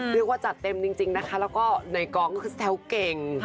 เรียกว่าจัดเต็มจริงนะคะแล้วก็ในกองก็เซ้าเก่ง